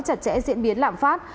chặt chẽ diễn biến lạm phát